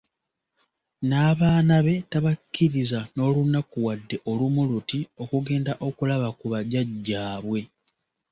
N'abaana be tabakkiriza n'olunaku wadde olumu luti okugenda okulaba ku bajjajjaabwe.